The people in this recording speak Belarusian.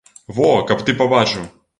Во, каб ты пабачыў.